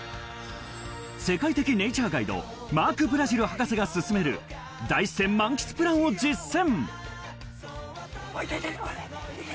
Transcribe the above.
世界的ネイチャーガイド、マーク・ブラジル博士が進める大自然満喫プランを実践。